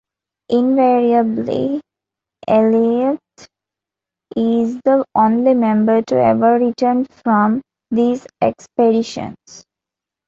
Invariably, Elaith is the only member to ever return from these expeditions.